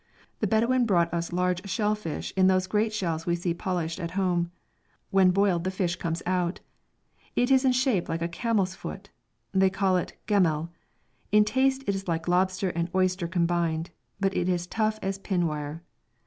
The Bedouin brought us large shell fish in those great shells we see polished at home. When boiled the fish comes out. It is in shape like a camel's foot, and they call it ghemel. In taste it is like lobster and oyster combined, but as tough as pin wire.